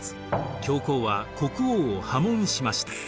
教皇は国王を破門しました。